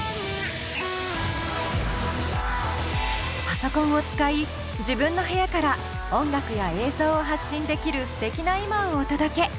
パソコンを使い自分の部屋から音楽や映像を発信できるすてきな今をお届け。